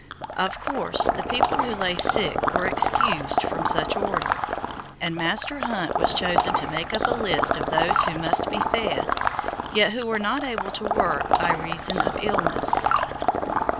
Of course the people who lay sick were excused from such order, and Master Hunt was chosen to make up a list of those who must be fed, yet who were not able to work by reason of illness.